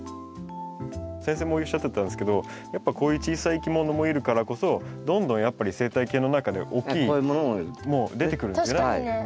先生もおっしゃってたんですけどやっぱこういう小さいいきものもいるからこそどんどんやっぱり生態系の中では大きい出てくるんですね。